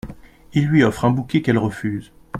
Il lui offre un bouquet qu’elle refuse.